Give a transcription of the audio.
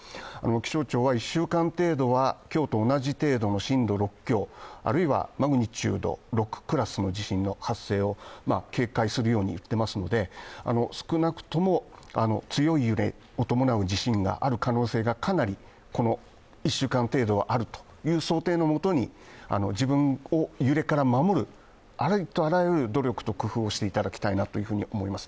気象庁は１週間程度は今日と同じ程度の震度６強、あるいはマグニチュード６クラスの地震の発生を警戒するように言っていますので、少なくとも強い揺れを伴う地震が起きる可能性がかなり、この１週間はあるという想定で自分を揺れから守る、ありとあらゆる努力と工夫をしていただきたいなと思います。